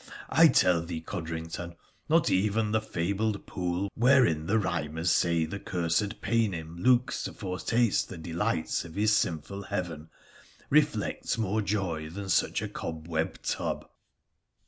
I tell thee, Codrington, not even the fabled pool wherein the rhymers say the cursed Paynim looks to foretaste the delights of his sinful heaven reflects more joy than such a eobwebbed tub